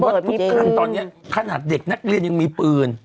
อย่าลืมว่าทุกท่านตอนนี้ถ้าหากเด็กนักเรียนยังมีปืน